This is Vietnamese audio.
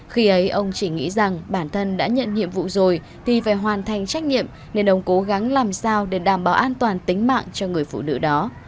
khi ấy ông chỉ nghĩ rằng bản thân đã nhận nhiệm vụ rồi thì phải hoàn thành trách nhiệm nên ông cố gắng làm sao để đảm bảo an toàn tính mạng cho người phụ nữ đó